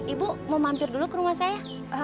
ibu mau mampir dulu ke rumah saya